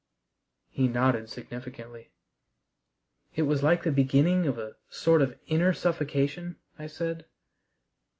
He nodded significantly. "It was like the beginning of a sort of inner suffocation?" I said.